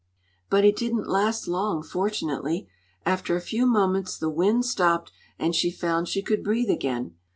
But it didn't last long, fortunately. After a few moments the wind stopped, and she found she could breathe again.